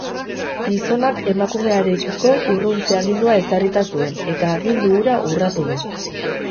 Gizonak emakumearekiko urruntze-agindua ezarrita zuen, eta agindu hura urratu du.